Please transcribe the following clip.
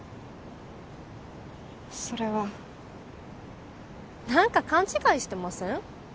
それはなんか勘違いしてません？